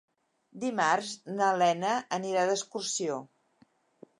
Dimarts na Lena anirà d'excursió.